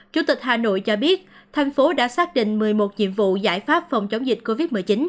chủ tịch hà nội cho biết thành phố đã xác định một mươi một nhiệm vụ giải pháp phòng chống dịch covid một mươi chín